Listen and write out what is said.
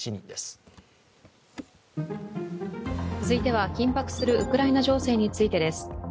続いては緊迫するウクライナ情勢についてです。